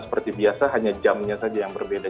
seperti biasa hanya jamnya saja yang berbeda